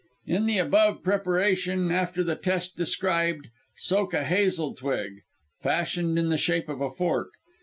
In the above preparation after the test described, soak a hazel twig, fashioned in the shape of a fork.